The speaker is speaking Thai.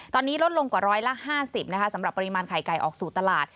ตอนนี้ลดลงกว่าร้อยละ๕๐นะคะสำหรับปริมาณไข่ไก่ออกสู่ตลาด